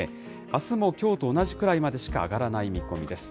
あすもきょうと同じくらいまでしか上がらない見込みです。